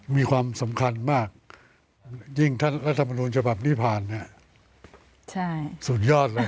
มีความสำคัญมากยิ่งรัฐมนูลจบันนภาพนิพาน